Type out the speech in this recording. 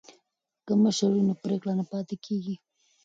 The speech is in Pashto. که مشر وي نو پریکړه نه پاتې کیږي.